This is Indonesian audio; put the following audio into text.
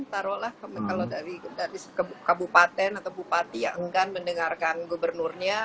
taruhlah kalau dari kabupaten atau bupati yang enggan mendengarkan gubernurnya